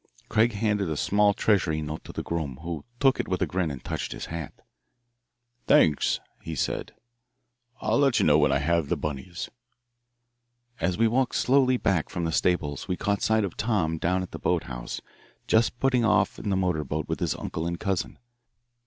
Craig handed a small treasury note to the groom, who took it with a grin and touched his hat. "Thanks," he said. "I'll let you know when I have the bunnies." As we walked slowly back from the stables we caught sight of Tom down at the boat house just putting off in the motor boat with his uncle and cousin.